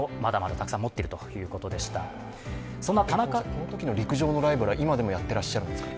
このときの陸上のライバルは、今でもやってらっしゃるんですか？